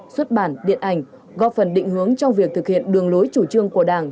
xuất bản điện ảnh góp phần định hướng trong việc thực hiện đường lối chủ trương của đảng